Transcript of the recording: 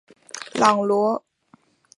朗罗代克人口变化图示